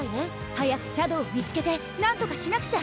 早くシャドウを見つけてなんとかしなくちゃ！